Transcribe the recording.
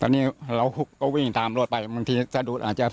อันนี้คำต่ออ้างของผู้ก่อเหตุนะครับทุกผู้ชมครับ